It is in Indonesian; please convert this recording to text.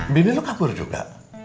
bini lo kabur juga